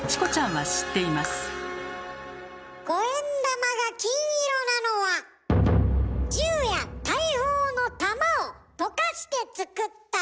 五円玉が金色なのは銃や大砲の弾を溶かしてつくったから。